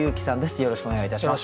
よろしくお願いします。